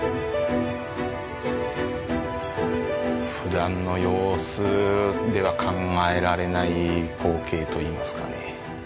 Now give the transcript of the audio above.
普段の様子では考えられない光景といいますかね。